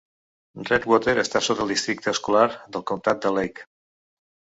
Redwater està sota el districte escolar del comptat de Leake.